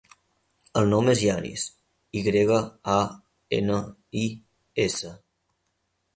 El nom és Yanis: i grega, a, ena, i, essa.